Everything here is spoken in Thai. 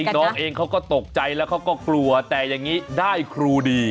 น้องเองเขาก็ตกใจแล้วเขาก็กลัวแต่อย่างนี้ได้ครูดี